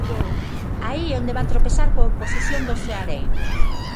Aí é onde van tropezar coa oposición dos seareiros.